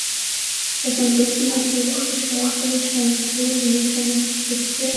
তখন দক্ষিণ আফ্রিকা সরকারের সঙ্গে বহিঃসমর্পণ চুক্তি করতে বাংলাদেশ আগ্রহ প্রকাশ করে।